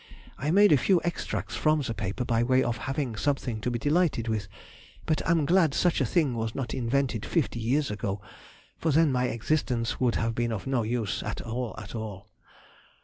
I made a few extracts from the paper by way of having something to be delighted with, but am glad such a thing was not invented fifty years ago, for then my existence would have been of no use at all at all.